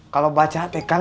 kalau baca kak